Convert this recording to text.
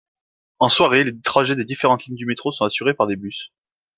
En soirée, les trajets des différentes lignes de métro sont assurés par des bus.